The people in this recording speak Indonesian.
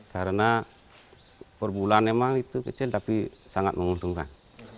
karena per bulan memang itu kecil tapi sangat menguntungkan